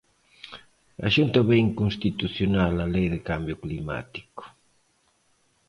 A Xunta ve inconstitucional a Lei de Cambio Climático.